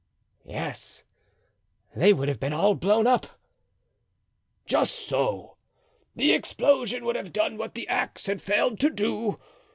"Yes, they would have all been blown up." "Just so. The explosion would have done what the axe had failed to do.